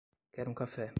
Quero um café